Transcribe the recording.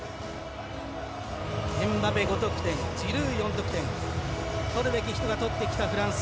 エムバペ、５得点ジルー、４得点取るべき人が取ってきたフランス。